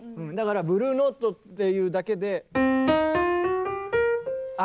だからブルーノートっていうだけで。